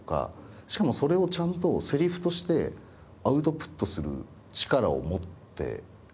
しかもそれをちゃんとせりふとしてアウトプットする力を持ってらっしゃる。